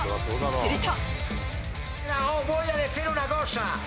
すると。